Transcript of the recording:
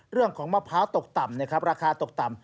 เรื่องของมะพร้าวตกต่ำนะครับราคาตกต่ำ